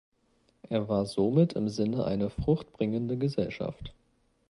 Er war somit im Sinne eine „Fruchtbringende Gesellschaft“.